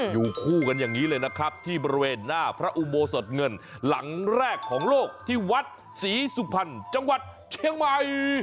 อยู่คู่กันอย่างนี้เลยนะครับที่บริเวณหน้าพระอุโบสถเงินหลังแรกของโลกที่วัดศรีสุพรรณจังหวัดเชียงใหม่